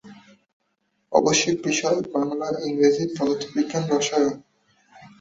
আবশ্যিক বিষয়: বাংলা, ইংরেজি, পদার্থবিজ্ঞান, রসায়ন।